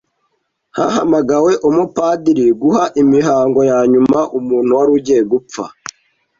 Hahamagawe umupadiri guha imihango yanyuma umuntu wari ugiye gupfa.